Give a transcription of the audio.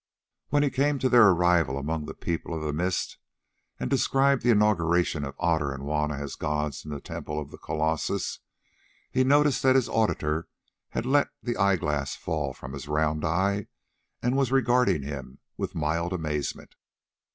When he came to their arrival among the People of the Mist, and described the inauguration of Otter and Juanna as gods in the temple of the colossus, he noticed that his auditor had let the eyeglass fall from his round eye, and was regarding him with mild amazement.